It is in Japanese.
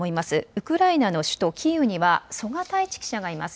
ウクライナの首都キーウには曽我太一記者がいます。